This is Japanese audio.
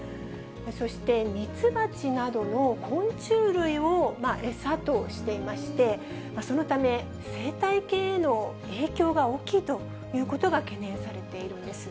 そして蜜蜂などの昆虫類を餌としていまして、そのため、生態系への影響が大きいということが懸念されているんです。